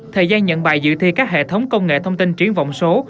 thời gian nhận bài dự thi các hệ thống công nghệ thông tin triển vọng số